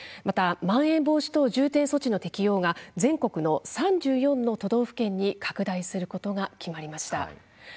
また、まん延防止等重点措置の適用が全国の３４の都道府県に拡大することが決まりました。